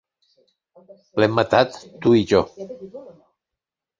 "L'hem matat: tu i jo".